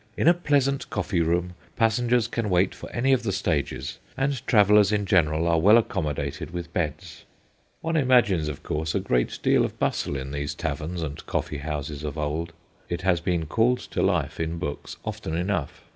In a pleasant coffee room passengers can wait for any of the stages, and travellers in general are well accommodated with beds/ 266 THE GHOSTS OF PICCADILLY One imagines, of course, a great deal of bustle in these taverns and coffee houses of old : it has been called to life in books often enough.